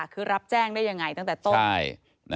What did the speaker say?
คือรับแจ้งได้ยังไงตั้งแต่ต้น